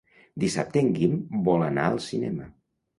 Dissabte en Guim vol anar al cinema.